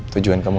tujuan kamu apa